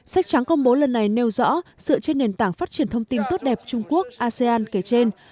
sách trắng công bố lần này nêu rõ dựa trên nền tảng phát triển thông tin tốt đẹp trung quốc asean kể trên